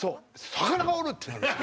「魚がおる！」ってなるんです。